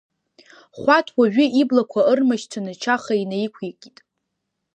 Хәаҭ уажәы иблақәа ырмашьцаны, Чаха инаиқәикит.